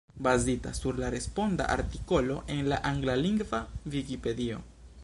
Bazita sur la responda artikolo en la anglalingva Vikipedio.